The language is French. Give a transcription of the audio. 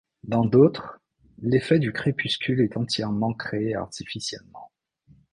Dans d'autres, l'effet du crépuscule est entièrement créé artificiellement.